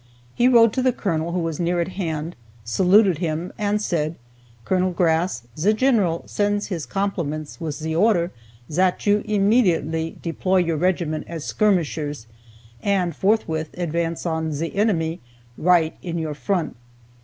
He rode to the Colonel, who was near at hand, saluted him, and said, "Col. Grass, ze Sheneral sends his compliments wiss ze order zat you immediately deploy your regiment as skirmishers, and forthwith advance on ze enemy, right in your front!"